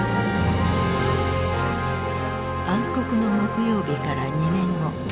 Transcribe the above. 暗黒の木曜日から２年後。